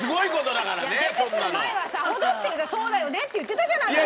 そんなの。出てくる前はさほどっていうかそうだよねって言ってたじゃないですか！